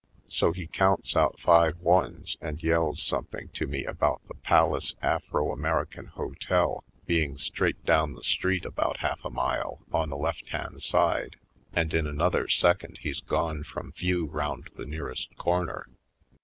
So he counts out five ones and yells some thing to me about the Palace Afro Ameri can Hotel being straight down the street about half a mile, on the left hajid side, and in another second he's gone from view round the nearest corner.